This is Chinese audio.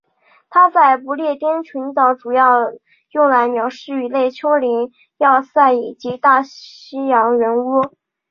它在不列颠群岛主要用来描述一类丘陵要塞以及大西洋圆屋。